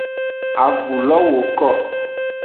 Avulo woko.